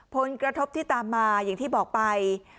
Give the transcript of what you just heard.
ผลกระทบที่ตามมาอย่างที่บอกไป